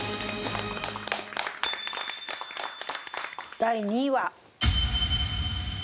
第２位は。